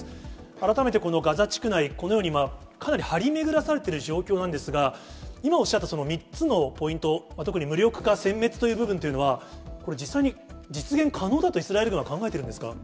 改めてこのガザ地区内、このようにかなり張り巡らされている状況なんですが、今おっしゃった３つのポイント、特に無力化、せん滅という部分は、これ、実際に実現可能だと、イスラエル軍は考えているんですか。